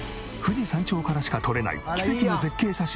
富士山頂からしか撮れない奇跡の絶景写真